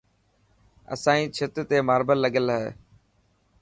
اسائي ڇت تي ماربل لگل هي.